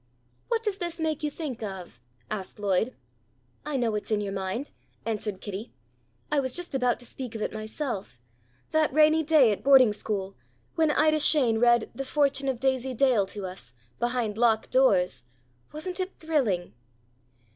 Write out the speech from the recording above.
"What does this make you think of?" asked Lloyd. "I know what's in your mind," answered Kitty. "I was just about to speak of it myself; that rainy day at Boarding School, when Ida Shane read 'The Fortune of Daisy Dale' to us, behind locked doors. Wasn't it thrilling?"